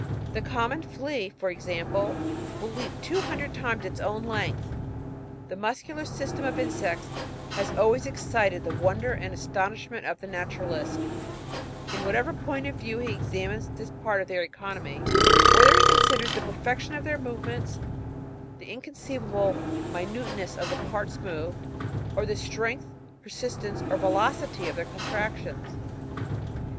The common flea, forexample, will leap two hundred times its own length. " The muscular system of insects has always excited the wonder and astonishment of the naturalist, in whatever point of view he examines this part of their economy, whether he considers the perfection of their move ments, the inconceivable minuteness of the parts moved, or the strength, persistence, or velocity of their contractions.